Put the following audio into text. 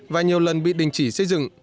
và nhiều lần bị đình chỉ xây dựng